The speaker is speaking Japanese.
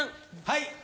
はい。